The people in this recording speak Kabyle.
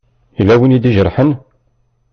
Yella win i d-ijerḥen?